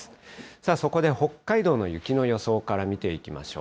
さあそこで、北海道の雪の予想から見ていきましょう。